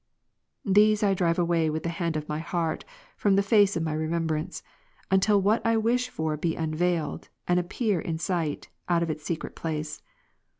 " These I drive away with the hand of my heart, from the face of my remem brance ; until what I wish for be unveiled, and appear in sight, out of its secret place.